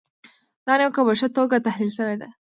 دا نیوکه په ښه توګه تحلیل شوې ده.